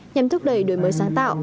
nhằm thúc đẩy đổi mới sáng tạo